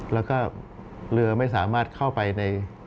แล้วก็เรือไม่สามารถเข้าไปใน